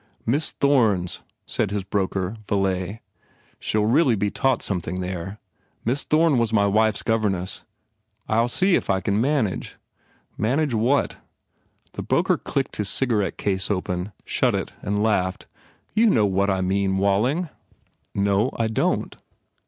"Miss Thome s," said his broker, Villay, "She ll really be taught something there. ... Miss Thorne was my wife s governess. I ll see if I can manage. ..." "Manage what?" The broker clicked his cigarette case open, shut it and laughed, u You know what I mean, Walling." "No, I don t."